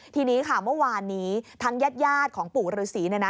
ทีนี้ค่ะเมื่อวานนี้ทางญาติของปู่ฤษี